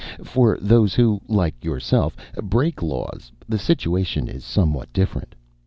For those who, like yourself, break laws, the situation is somewhat different.